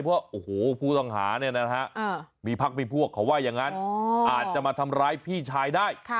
เพราะโอ้โหผู้ต้องหาเนี่ยนะฮะมีพักมีพวกเขาว่าอย่างนั้นอาจจะมาทำร้ายพี่ชายได้